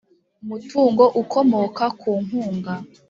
umutungo ukomoka ku nkunga